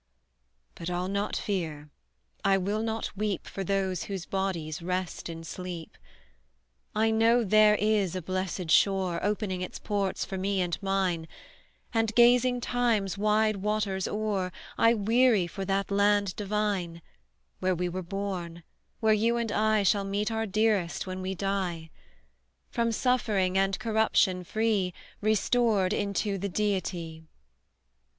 "But, I'll not fear, I will not weep For those whose bodies rest in sleep, I know there is a blessed shore, Opening its ports for me and mine; And, gazing Time's wide waters o'er, I weary for that land divine, Where we were born, where you and I Shall meet our dearest, when we die; From suffering and corruption free, Restored into the Deity."